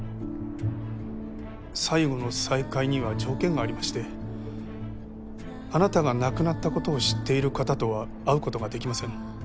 最後の再会には条件がありましてあなたが亡くなったことを知っている方とは会うことが出来ません。